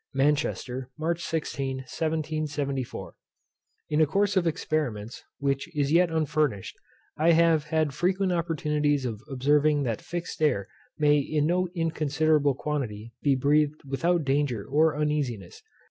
Manchester, March 16, 1774. In a course of Experiments, which is yet unfinished, I have had frequent opportunities of observing that FIXED AIR may in no inconsiderable quantity be breathed without danger or uneasiness.